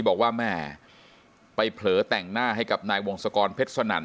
บอกว่าแม่ไปเผลอแต่งหน้าให้กับนายวงศกรเพชรสนั่น